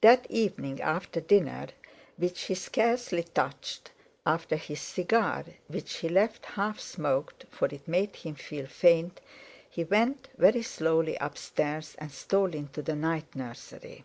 That evening after dinner which he scarcely touched, after his cigar which he left half smoked for it made him feel faint, he went very slowly upstairs and stole into the night nursery.